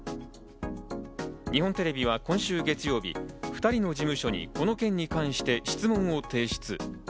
日本テレビは今週月曜日、２人の事務所にこの件に関して質問を提出。